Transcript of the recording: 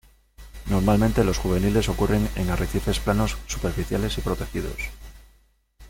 Normalmente los juveniles ocurren en arrecifes planos superficiales y protegidos.